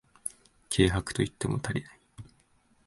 軽薄と言っても足りない